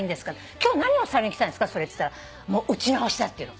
今日何をされに来たんですか？それっつったら打ち直しだって言うの。